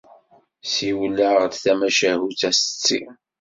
Siwel-aɣ-d tamacahut, a setti.